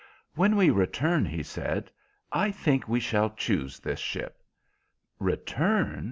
"When we return," he said, "I think we shall choose this ship." "Return?"